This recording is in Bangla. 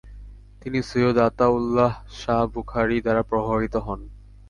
তিনি সৈয়দ আতা উল্লাহ শাহ বুখারী দ্বারা প্রভাবিত হন।